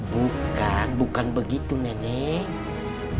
bukan bukan begitu nenek